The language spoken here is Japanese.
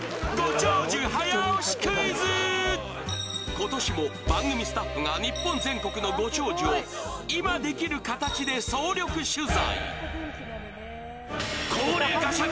今年も番組スタッフが日本全国のご長寿を今できる形で総力取材！